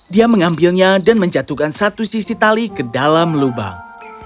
dia mengambilnya dan menjatuhkan satu sisi tali ke dalam lubang